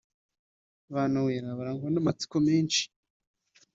Ba Noella barangwa n’amatsiko menshi